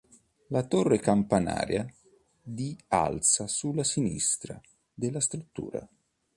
La torre campanaria di alza sulla sinistra della struttura.